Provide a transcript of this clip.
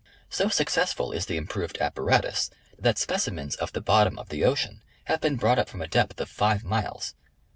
So successful is the improved apparatus that specimens of the bottom of the ocean have been brought up from a depth of five miles.